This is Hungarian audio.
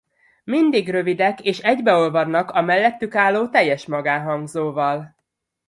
Mindig rövidek és egybeolvadnak a mellettük álló teljes magánhangzóval.